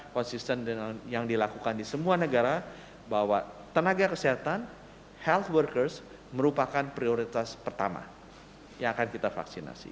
konsisten dengan yang dilakukan di semua negara bahwa tenaga kesehatan health workers merupakan prioritas pertama yang akan kita vaksinasi